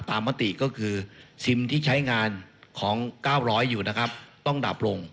ตามมติก็คือซิมที่ใช้งานของ๙๐๐อยู่ต้องดับลง